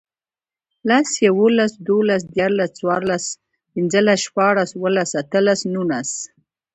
لس, یوولس, دوولس, دیرلس، څورلس, پنځلس, شپاړس, اووهلس, اتهلس, نونس